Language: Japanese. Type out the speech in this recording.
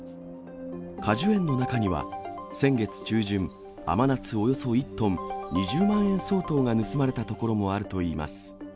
果樹園の中には、先月中旬、甘夏およそ１トン、２０万円相当が盗まれた所もあるといいます。